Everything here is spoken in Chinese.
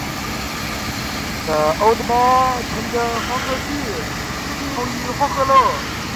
昔人已乘黄鹤去，此地空余黄鹤楼。